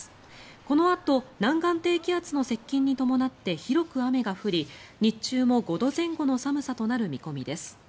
このあと南岸低気圧の接近に伴って広く雨が降り日中も５度前後の寒さとなる見込みです。